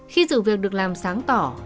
khi dự việc được làm sáng tỏa